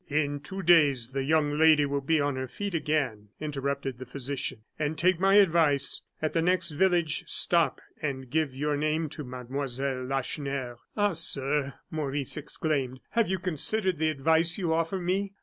"In two days the young lady will be on her feet again," interrupted the physician. "And take my advice. At the next village, stop and give your name to Mademoiselle Lacheneur." "Ah! sir," Maurice exclaimed; "have you considered the advice you offer me?